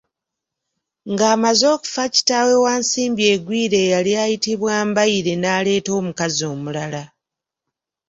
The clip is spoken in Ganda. Ng’amaze okufa kitaawe wa Nsimbi egwire eyali ayitibwa Mbaire naleeta omukazi omulala.